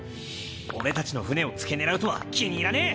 俺たちの船をつけ狙うとは気に入らねぇ！